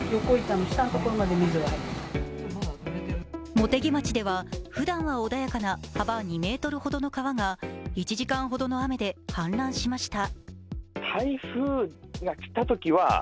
茂木町では、ふだんは穏やかな幅２ｍほどの川が１時間ほどの雨で氾濫しました。